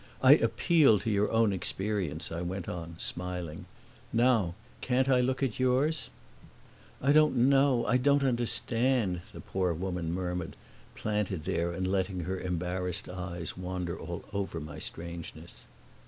I appeal to your own experience," I went on, smiling. "Now can't I look at yours?" "I don't know, I don't understand," the poor woman murmured, planted there and letting her embarrassed eyes wander all over my strangeness.